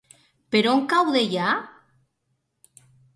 Per on cau Deià?